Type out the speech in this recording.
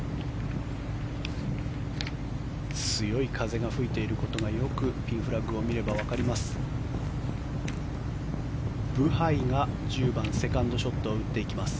強い風が吹いていることがピンフラッグを見ればよくわかります。